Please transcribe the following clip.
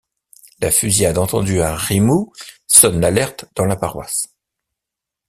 La fusillade entendue à Rimou, sonne l'alerte dans la paroisse.